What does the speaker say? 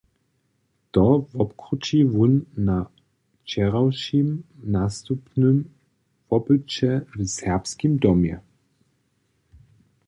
To wobkrući wón na wčerawšim nastupnym wopyće w Serbskim domje.